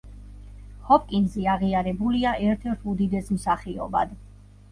ჰოპკინზი აღიარებულია ერთ-ერთ უდიდეს მსახიობად.